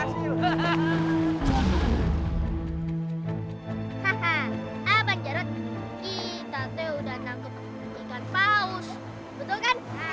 hahaha abang jarad kita teh udah nangkep ikan paus betul kan